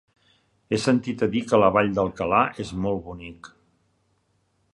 He sentit a dir que la Vall d'Alcalà és molt bonic.